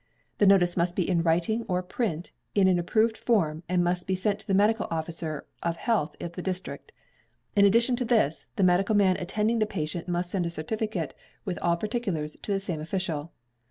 The notice must be in writing or print, in an approved form, and must be sent to the medical officer of health of the district. In addition to this, the medical man attending the patient must send a certificate, with all particulars, to the same official.